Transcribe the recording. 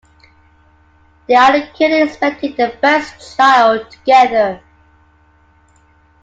They are currently expecting their first child together.